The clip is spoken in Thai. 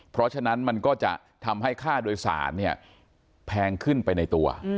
เพราะฉะนั้นมันก็จะทำให้ค่าโดยสารเนี่ยแพงขึ้นไปในตัว